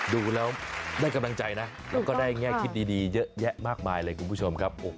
ดูแล้วได้กำลังใจนะแล้วก็ได้แง่คิดดีเยอะแยะมากมายเลยคุณผู้ชมครับ